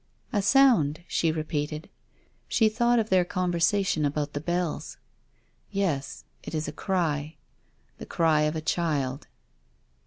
" A sound," she repeated. She thought of their conversation about the bells. " Yes, it is a cry — the cry of a child."